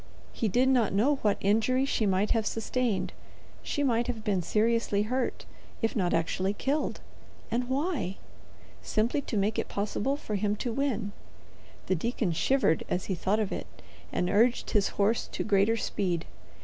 He did not know what injury she might have sustained; She might have been seriously hurt, if not actually killed. And why? Simply to make it possible for him to win. The deacon shivered as he thought of it, and urged his horse to greater speed.